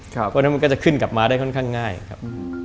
เพราะฉะนั้นมันก็จะขึ้นกลับมาได้ค่อนข้างง่ายครับ